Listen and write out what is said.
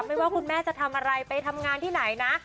ไม่ว่าคุณแม่จะทำอะไรไปทำงานที่ไหนนะ